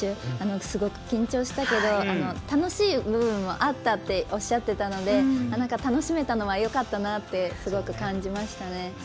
すごく緊張したけど楽しい部分もあったっておっしゃっていたので楽しめたのはよかったなってすごく感じましたね。